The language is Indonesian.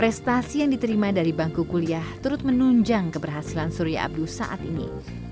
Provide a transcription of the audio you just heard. prestasi yang diterima dari bangku kuliah turut menunjang keberhasilan surya abdul saat ini